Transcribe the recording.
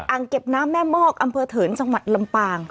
เก็บน้ำแม่มอกอำเภอเถินจังหวัดลำปาง